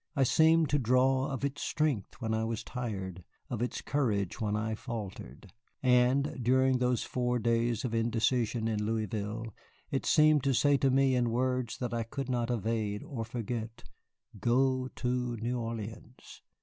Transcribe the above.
I seemed to draw of its strength when I was tired, of its courage when I faltered. And, during those four days of indecision in Louisville, it seemed to say to me in words that I could not evade or forget, "Go to New Orleans."